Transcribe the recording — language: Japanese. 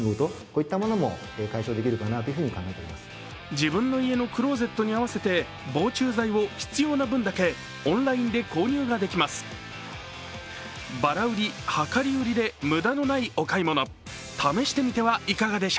自分の家のクローゼットに合わせて防虫剤を必要な分だけオンラインで購入ができます。